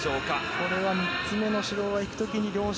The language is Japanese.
これは３つ目の指導がいくときに両者。